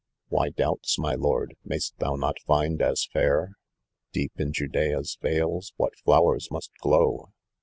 * Why doubts my lord ? Mayst thou not find as fair ? Deep in Judea's vales what flowers must glow